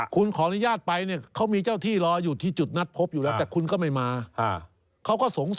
คุณขออนุญาตไปเขามีเจ้าที่รออยู่ที่จุดนัดพบอยู่แล้ว